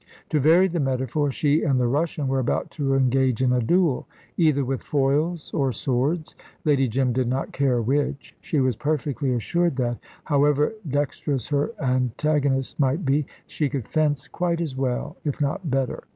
To vary the metaphor, she and the Russian were about to engage in a duel, either with foils or swords. Lady Jim did not care which. She was perfectly assured that, however dexterous her antagonist might be, she could fence quite as well, if not better.